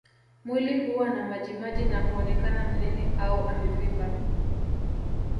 Mwili huwa na majimaji na huonekana mnene au amevimba